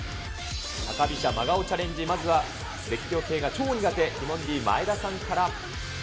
高飛車真顔チャレンジ、まずは絶叫系が超苦手、ティモンディ・前田さんから。